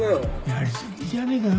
やり過ぎじゃねえか？